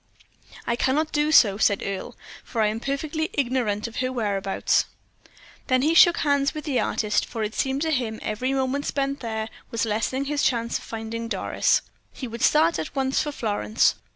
"I cannot do so," said Earle, "for I am perfectly ignorant of her whereabouts." Then he shook hands with the artist, for it seemed to him every moment spent there was lessening his chance of finding Doris. He would start at once for Florence.